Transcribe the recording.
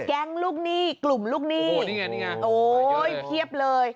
แก๊งลูกหนี้กลุ่มลูกหนี้โอ้โฮเพียบเลย